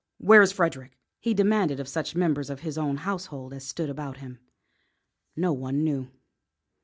Where is Frederick?" he demanded of such members of his own household as stood about him. No one knew.